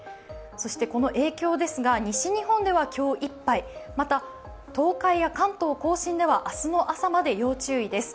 この影響ですが、西日本では今日いっぱい、また東海や関東甲信では明日の朝まで要注意です。